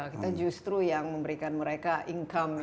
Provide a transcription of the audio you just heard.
kita justru yang memberikan mereka income